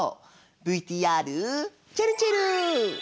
ＶＴＲちぇるちぇる！